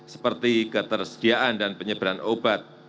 seperti ketersediaan dan penyebaran obat